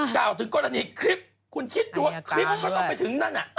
กล่าวถึงกรณีคลิปคุณคิดดูว่าคลิปมันก็ต้องไปถึงนั่นน่ะ